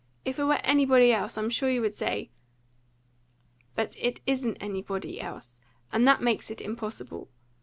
If it were anybody else, I am sure you would say " "But it isn't anybody else, and that makes it impossible.